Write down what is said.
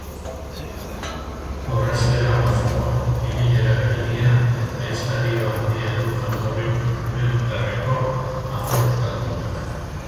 Orrazkera afroa, ibilera geldia eta hitz-jario handia du jatorri kamerundarreko afroeuskaldunak.